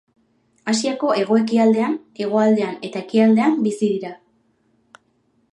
Asiako hego-ekialdean, hegoaldean eta ekialdean bizi dira.